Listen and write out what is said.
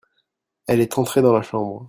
Elle est entrée dans la chambre.